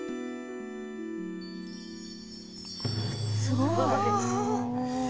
すごい。